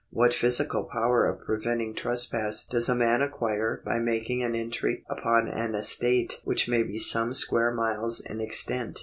What physical power of preventing trespass does a man acquire by making an entry upon an estate which may be some square miles in extent